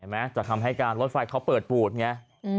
เห็นมั้ยจะทำให้การรถไฟเขาเปิดปูดไง